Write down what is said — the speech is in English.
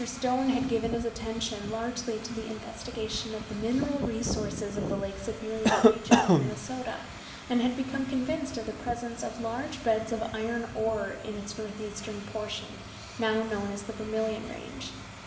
Stone had given his attention largely to the investigation of the mineral resources of the Lake Superior region in Minnesota, and had become convinced of the presence of large beds of iron ore in its northeastern portion, now known as the Vermillion Range.